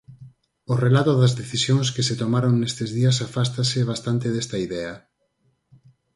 O relato das decisións que se tomaron nestes días afástase bastante desta idea.